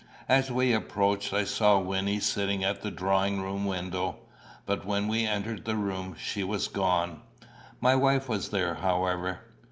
As we approached, I saw Wynnie sitting at the drawing room window; but when we entered the room, she was gone. My wife was there, however.